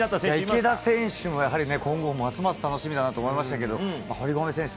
池田選手もやはり今後、ますます楽しみだなと思いましたけども、堀米選手、